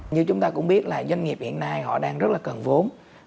như chúng ta cũng biết là doanh nghiệp hiện nay họ đang rất là cần vốn